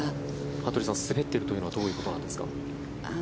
服部さん滑っているというのはどういうことなんですか。